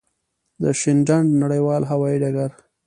د شینډنډ نړېوال هوایی ډګر.